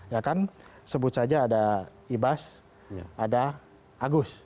ya kan sebut saja ada ibas ada agus